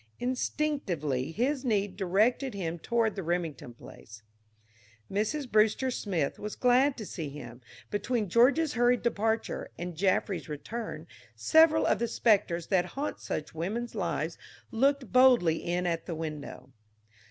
Instinctively his need directed him toward the Remington place. Mrs. Brewster Smith was glad to see him. Between George's hurried departure and Jaffry's return several of the specters that haunt such women's lives looked boldly in at the window.